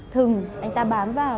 thừng anh ta bám vào